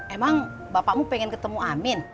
emang bapakmu pengen ketemu amin